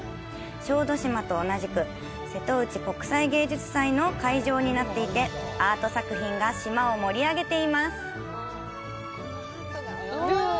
小豆島と同じく瀬戸内国際芸術祭の会場になっていてアート作品が島を盛り上げています。